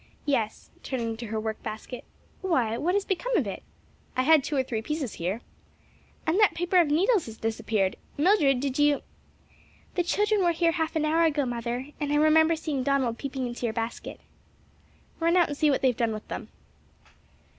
"Yes," turning to her work basket. "Why, what has become of it? I had two or three pieces here. And that paper of needles has disappeared! Mildred did you " "The children were here half an hour ago, mother, and I remember seeing Donald peeping into your basket." "Run out and see what they have done with them."